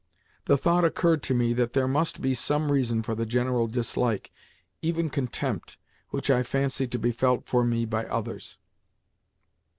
The thought occurred to me that there must be some reason for the general dislike—even contempt—which I fancied to be felt for me by others.